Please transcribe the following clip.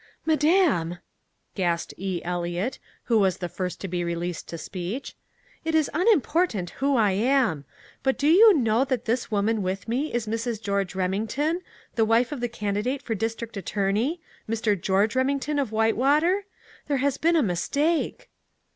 "Madam," gasped E. Eliot, who was the first to be released to speech, "it is unimportant who I am. But do you know that this woman with me is Mrs. George Remington, the wife of the candidate for district attorney Mr. George Remington of Whitewater? There has been a mistake."